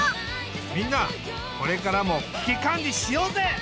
みんなこれからも危機管理しようぜ！